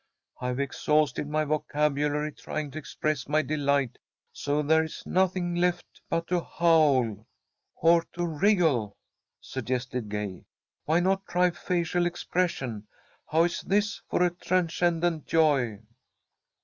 I've exhausted my vocabulary trying to express my delight, so there's nothing left but to howl." "Or to wriggle," suggested Gay. "Why not try facial expression? How is this for transcendent joy?"